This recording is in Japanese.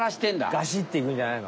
ガシッていくんじゃないの？